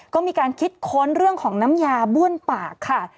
ก็มีการคิดค้นเรื่องของน้ำยาบ้วนปากค่ะ